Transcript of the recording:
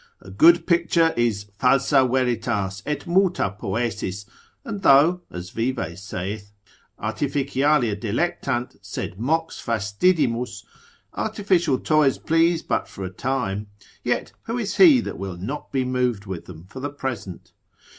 A good picture is falsa veritas, et muta poesis: and though (as Vives saith) artificialia delectant, sed mox fastidimus, artificial toys please but for a time; yet who is he that will not be moved with them for the present?